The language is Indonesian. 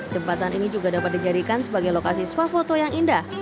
jembatan ini juga dapat dijadikan sebagai lokasi swafoto yang indah